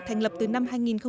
thành lập từ năm hai nghìn hai